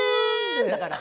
だから。